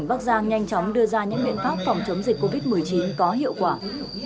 cảm ơn các bạn đã theo dõi và hẹn gặp lại